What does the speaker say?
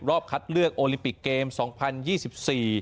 รอบคัดเลือกโอลิมปิกเกมส์